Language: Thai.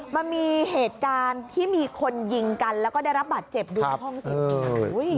มันมีเหตุการณ์ที่มีคนยิงกันแล้วก็ได้รับบาดเจ็บอยู่ในห้องสืบสวน